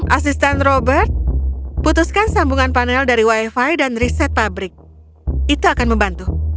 asisten robert putuskan sambungan panel dari wifi dan riset pabrik itu akan membantu